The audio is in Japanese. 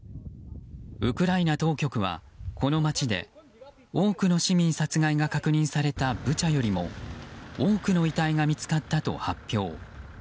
ウクライナ当局はこの街で多くの市民殺害が確認されたブチャよりも多くの遺体が見つかったと発表。